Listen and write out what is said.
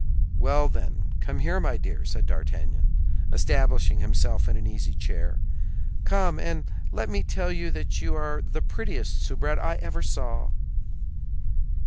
"Well, then, come here, my dear," said D'Artagnan, establishing himself in an easy chair; "come, and let me tell you that you are the prettiest soubrette I ever saw!"